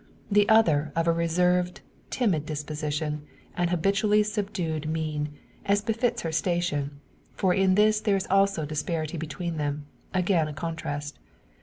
The other of a reserved, timid disposition, and habitually of subdued mien, as befits her station; for in this there is also disparity between them again a contrast.